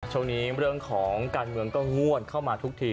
ช่วงนี้เรื่องของการเมืองก็งวดเข้ามาทุกที